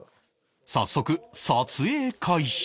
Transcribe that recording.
早速撮影開始